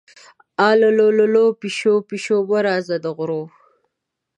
اللو للو، پیشو-پیشو مه راځه د غرو